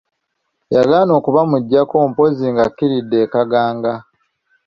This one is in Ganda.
Yagaana okubamuggyako mpozzi ng'akkiridde e Kaganga.